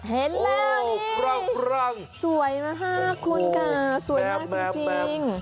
เห็นแล้วนี่สวยมากคุณค่ะสวยมากจริง